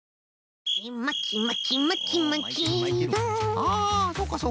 ああそうかそうか。